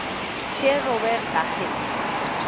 Che Roberta, he'i